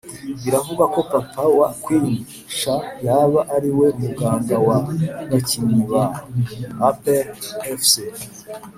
Biravugwa ko papa wa queen cha yaba ariwe muganga wa bakinnyi ba apr fc